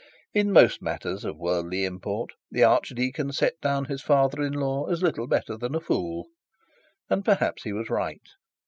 In most matters of worldly import the archdeacon set down his father in law as little better than a fool. And perhaps he was right.